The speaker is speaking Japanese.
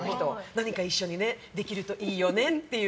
何か一緒にできるといいよねっていう。